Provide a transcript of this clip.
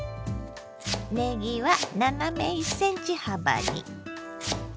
ねぎは斜め１ｃｍ幅に。